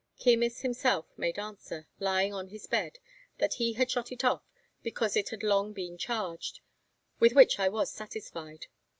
Keymis himself made answer, lying on his bed, that he had shot it off, because it had long been charged; with which I was satisfied.